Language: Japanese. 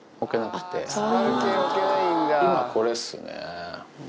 今これですね。